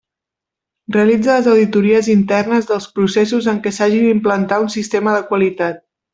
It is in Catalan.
Realitza les auditories internes dels processos en què s'hagi d'implantar un sistema de qualitat.